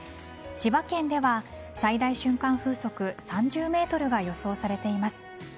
千葉県では最大瞬間風速３０メートルが予想されています。